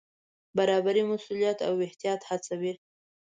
برابري مسوولیت او احتیاط هڅوي.